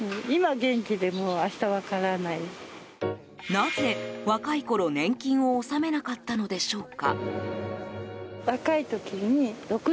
なぜ若いころ、年金を納めなかったのでしょうか。